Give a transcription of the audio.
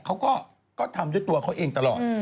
เขาก็ทำด้วยตัวเขาเองตลอด